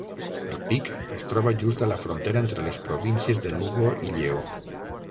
El pic es troba just a la frontera entre les províncies de Lugo i Lleó.